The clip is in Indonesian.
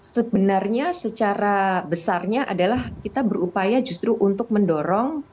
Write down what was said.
sebenarnya secara besarnya adalah kita berupaya justru untuk mendorong